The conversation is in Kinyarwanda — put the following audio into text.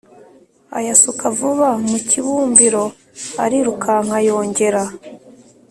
Ayasuka vuba mu kibumbiro arirukanka yongera